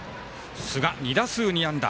寿賀、２打数２安打。